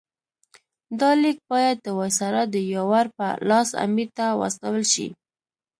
دا لیک باید د وایسرا د یاور په لاس امیر ته واستول شي.